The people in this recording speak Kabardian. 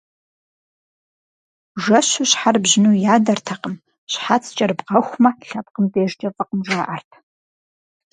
Жэщу щхьэр бжьыну ядэртэкъым, щхьэц кӀэрыбгъэхумэ, лъэпкъым дежкӀэ фӀыкъым, жаӀэрт.